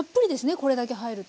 これだけ入ると。